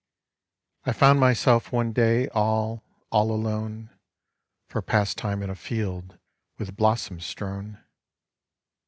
I found myself one day all, all alone, For pastime in a field with blossoms strewn.